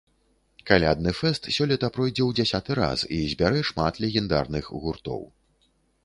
Калядны фэст сёлета пройдзе ў дзясяты раз і збярэ шмат легендарных гуртоў.